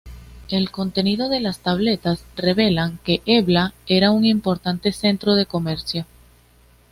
El contenido de las tabletas revelan que Ebla era un importante centro de comercio.